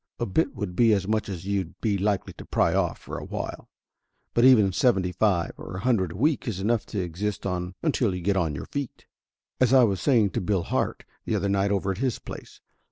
A bit would be as much as you'd be likely to pry off for a while, but even seventy five or a hundred a week is enough to exist on until you got on your feet. As I was saying to Bill Hart the other night over at his place.